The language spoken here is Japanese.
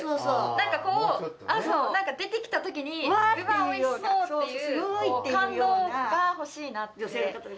なんかこう、出てきたときに、うわぁ、おいしそうっていう感動が欲しいなって。